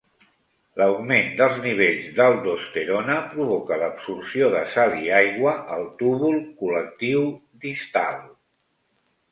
L'augment dels nivells d'aldosterona provoca l'absorció de sal i aigua al túbul col·lectiu distal.